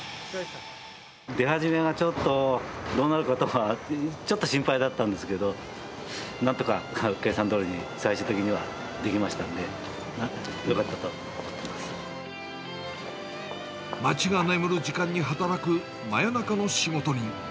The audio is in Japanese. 出始めはちょっとどうなるかとか、ちょっと心配だったんですけど、なんとか計算どおりに最終的にはできましたんで、よかったと思っの仕事人。